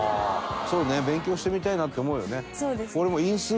そうね。勉強してみたいなって思うよね。